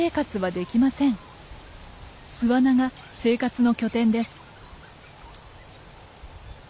巣穴が生活の拠点です。